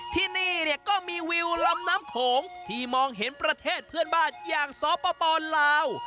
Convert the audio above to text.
ที่นี่เนี่ยก็มีวิวลำน้ำโขงที่มองเห็นประเทศเพื่อนบ้านอย่างสปลาว